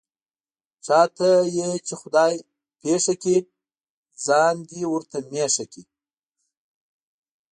چاته یې چې خدای پېښه کړي، ځان دې ورته مېښه کړي.